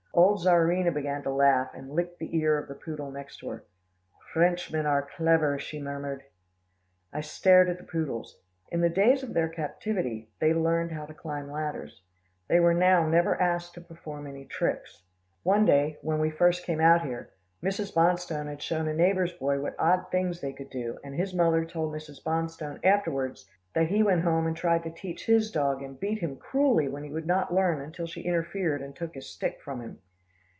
Old Czarina began to laugh, and licked the ear of the poodle next her. "Frenchmen are clever," she murmured. I stared at the poodles. In the days of their captivity, they had learned how to climb ladders. They were now never asked to perform any tricks. One day, when we first came out here, Mrs. Bonstone had shown a neighbour's boy what odd things they could do, and his mother told Mrs. Bonstone afterwards that he went home and tried to teach his dog, and beat him cruelly when he would not learn until she interfered and took his stick from him.